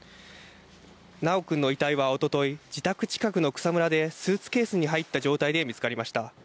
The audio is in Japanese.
修君の遺体はおととい、自宅近くの草むらでスーツケースに入った状態で見つかりました。